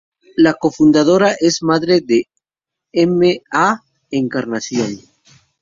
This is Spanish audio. La cofundadora es madre M.ª Encarnación.